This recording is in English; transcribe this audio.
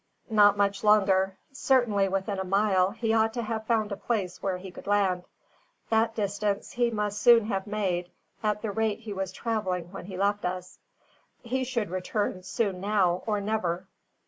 "Not much longer. Certainly within a mile, he ought to have found a place where he could land. That distance he must soon have made, at the rate he was travelling when he left us. He should return soon now, or never."